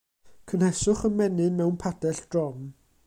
Cynheswch y menyn mewn padell drom.